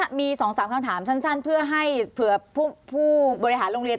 นี่มี๒๓คำถามชั้นเพื่อให้ผู้บริหารโรงเรียน